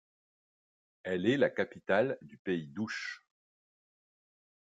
Elle est la capitale du pays d'Ouche.